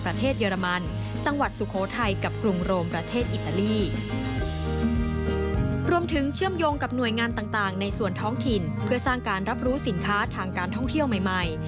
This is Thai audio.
เพื่อสร้างการรับรู้สินค้าทางการท่องเที่ยวใหม่